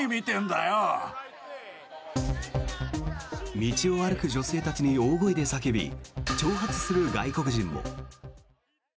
道を歩く女性たちに大声で叫び挑発する外国人も。